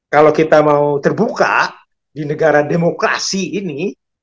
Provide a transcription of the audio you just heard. kalau kita mau terbuka di negara demokrasi ini